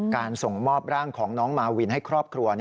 ส่งมอบร่างของน้องมาวินให้ครอบครัว